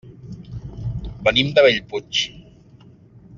Venim de Bellpuig.